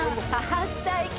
初体験！」